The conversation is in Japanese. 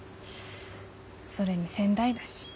それに仙台だし。